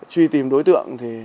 truy tìm đối tượng